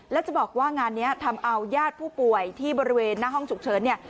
แล้วจะบอกว่างานนี้ทำเอาญาติผู้ป่วยที่บริเวณหน้าห้องฉุกเฉินเนี่ย